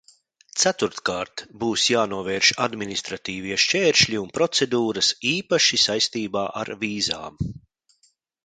Ceturtkārt, būs jānovērš administratīvie šķēršļi un procedūras, īpaši saistībā ar vīzām.